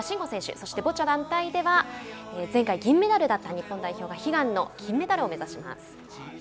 そしてボッチャ団体では前回銀メダルだった日本代表悲願の金メダルを目指します。